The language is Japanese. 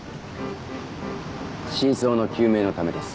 真相の究明のためです。